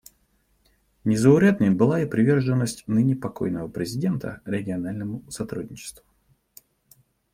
Незаурядной была и приверженность ныне покойного президента региональному сотрудничеству.